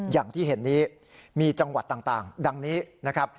อย่างที่เห็นนี้มีจังหวัดต่างดังนี้นะครับ